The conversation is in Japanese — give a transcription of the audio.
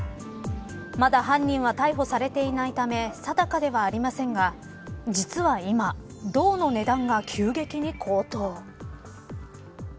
まだ犯人は逮捕されていないため定かではありませんが実は今、銅の値段が急激に高騰。